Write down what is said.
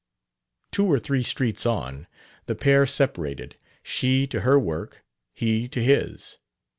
Two or three streets on, the pair separated, she to her work, he to his.